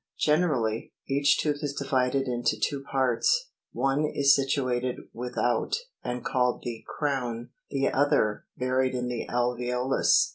Generally, each tooth is divided into two parts; one is situated with out, and called the crown, the other, buried in the alveolus {Fig.